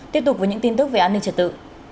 tiếp tục với những tin tức về an ninh trật tự